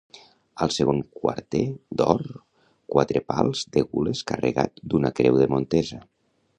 Al segon quarter, d'or, quatre pals de gules, carregat d'una creu de Montesa.